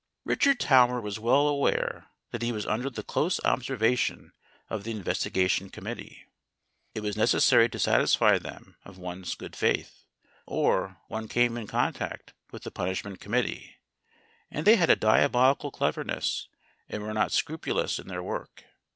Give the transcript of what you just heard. Richard Tower was well aware that he was under the close observation of the Investigation Committee. It was necessary to satisfy them of one's good faith, or one came in contact with the Punishment Com mittee, and they had a diabolical cleverness and were not scrupulous in their work.